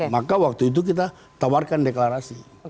maka waktu itu kita tawarkan deklarasi